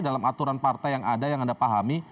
dalam aturan partai yang ada yang anda pahami